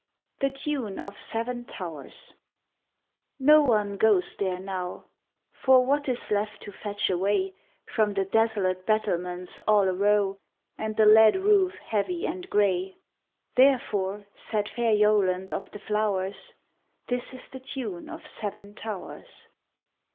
_ THE TUNE OF SEVEN TOWERS No one goes there now: For what is left to fetch away From the desolate battlements all arow, And the lead roof heavy and grey? _Therefore, said fair Yoland of the flowers, This is the tune of Seven Towers.